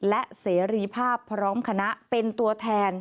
และเสรีภาพพร้อมคณะเป็นตัวแทน